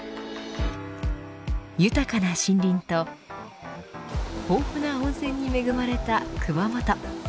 豊かな森林と豊富な温泉に恵まれた熊本。